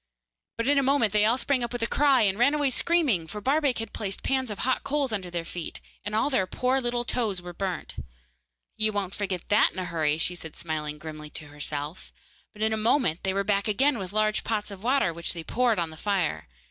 But in a moment they all sprang up with a cry, and ran away screaming, for Barbaik had placed pans of hot coals under their feet, and all their poor little toes were burnt. 'You won't forget that in a hurry,' she said, smiling grimly to herself, but in a moment they were back again with large pots of water, which they poured on the fire.